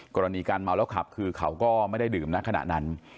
กรณีการเมาแล้วขับคือเขาก็ไม่ได้ดื่มนะขณะนั้น